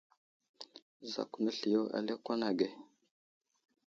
Zakw nesliyo a lakwan age.